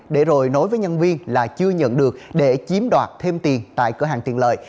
để rồi nối với nhân viên là chưa nhận được để chiếm đoạt thêm tiền tại cửa hàng tiện lợi